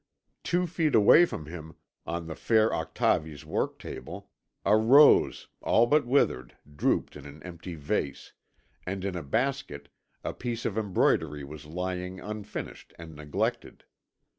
Two feet away from him, on the fair Octavie's work table, a rose, all but withered, drooped in an empty vase, and in a basket a piece of embroidery was lying unfinished and neglected.